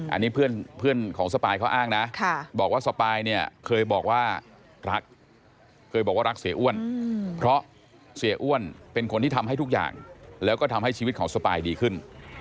อันนี้เพื่อนของสปายเขาอ้างนะบอกว่าสปายเนี่ยเคยบอกว่ารักเคยบอกว่ารักเสียอ้วนเพราะเสียอ้วนเป็นคนที่ทำให้ทุกอย่างแล้วก็ทำให้ชีวิตของสปายดีขึ้น